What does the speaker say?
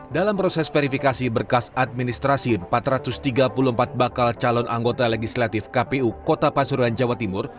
dalam proses verifikasi berkas administrasi empat ratus tiga puluh empat bakal calon anggota legislatif kpu kota pasuruan jawa timur